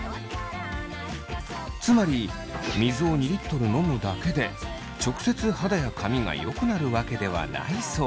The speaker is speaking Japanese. つまり水を２リットル飲むだけで直接肌や髪がよくなるわけではないそう。